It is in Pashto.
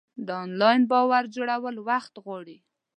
د انلاین باور جوړول وخت غواړي.